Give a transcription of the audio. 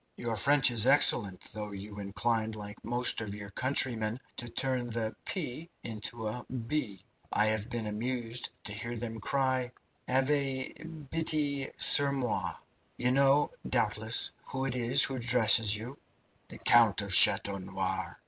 "Your French is excellent, though you incline, like most of your countrymen, to turn the 'p' into a 'b.' I have been amused to hear them cry 'Avez bitie sur moi!' You know, doubtless, who it is who addresses you." "The Count of Chateau Noir."